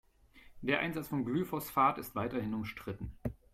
Der Einsatz von Glyphosat ist weiterhin umstritten.